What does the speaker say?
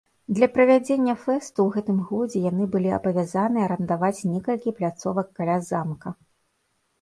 Для правядзення фэсту ў гэтым годзе яны былі абавязаныя арандаваць некалькі пляцовак каля замка.